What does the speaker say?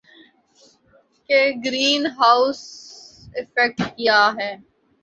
کہ greenhouse effect کیا ہے